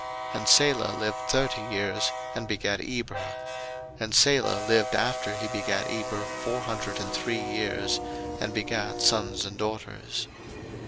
01:011:014 And Salah lived thirty years, and begat Eber: 01:011:015 And Salah lived after he begat Eber four hundred and three years, and begat sons and daughters.